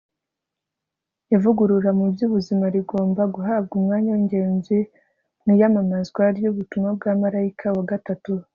ivugurura mu by'ubuzima rigomba guhabwa umwanya w'ingenzi mu iyamamazwa ry'ubutumwa bwa marayika wa gatatu